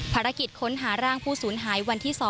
ภารกิจค้นหาร่างผู้สูญหายวันที่๒